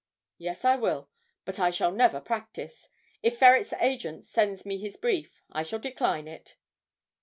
'Yes, I will; but I shall never practise; if Ferret's agent sends me this brief, I shall decline it.'